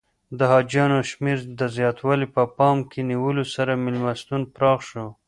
د حاجیانو د شمېر د زیاتوالي په پام کې نیولو سره میلمستون پراخ شو.